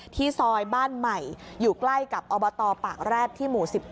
ซอยบ้านใหม่อยู่ใกล้กับอบตปากแร็ดที่หมู่๑๗